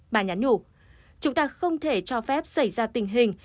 bà nhắn nhủ chúng ta không thể cho phép xảy ra tình hình